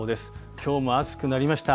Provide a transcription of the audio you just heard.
きょうも暑くなりました。